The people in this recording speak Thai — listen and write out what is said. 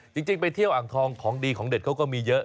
จริงไปเที่ยวอ่างทองของดีของเด็ดเขาก็มีเยอะ